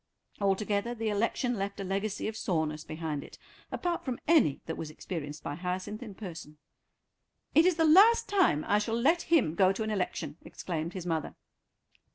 Altogether the election left a legacy of soreness behind it, apart from any that was experienced by Hyacinth in person. "It is the last time I shall let him go to an election," exclaimed his mother.